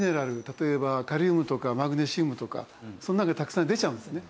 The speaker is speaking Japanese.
例えばカリウムとかマグネシウムとかその中にたくさん出ちゃうんですね。